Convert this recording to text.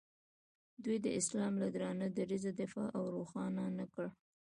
دوی د اسلام له درانه دریځه دفاع او روښانه نه کړ.